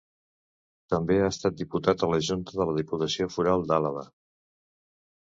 També ha estat diputat a la Junta de la Diputació Foral d'Àlaba.